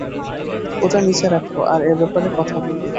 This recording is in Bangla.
ওটা নিচে রাখো আর এ ব্যাপারে কথা বলি।